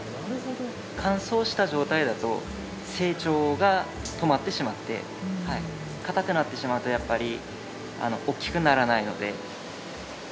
乾燥した状態だと成長が止まってしまって硬くなってしまうとやっぱり大きくならないので。